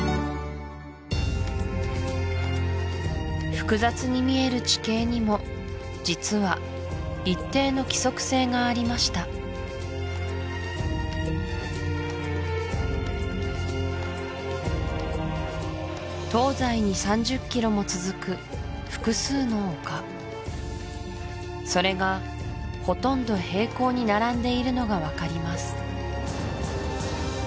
複雑に見える地形にも実は一定の規則性がありました東西に３０ｋｍも続く複数の丘それがほとんど平行に並んでいるのが分かります